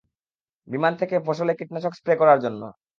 বিমান থেকে ফসলে কীটনাশক স্প্রে করার জন্য।